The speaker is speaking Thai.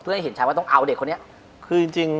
เพื่อให้เห็นชัยว่าต้องเอาเด็กคนนี้